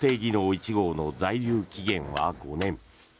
１号の在留期限は５年。